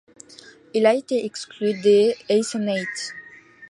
Il a été exclu des Aces & Eights.